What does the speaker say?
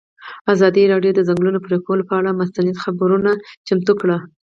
ازادي راډیو د د ځنګلونو پرېکول پر اړه مستند خپرونه چمتو کړې.